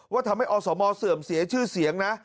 ว่าทำให้อสมเสื่อมเสียชื่อเสียงนะ